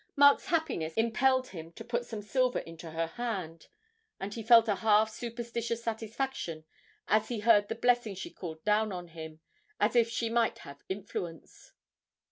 Mark's happiness impelled him to put some silver into her hand, and he felt a half superstitious satisfaction as he heard the blessing she called down on him as if she might have influence.